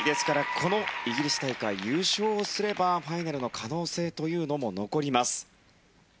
このイギリス大会は優勝すればファイナルの可能性も残ります。